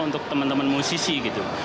untuk teman teman musisi gitu